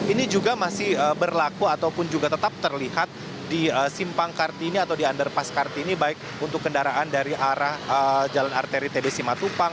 ini juga masih berlaku ataupun juga tetap terlihat di simpang kartini atau di underpass kartini baik untuk kendaraan dari arah jalan arteri tbc matupang